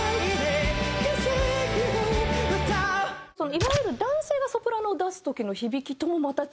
いわゆる男性がソプラノを出す時の響きともまた違う。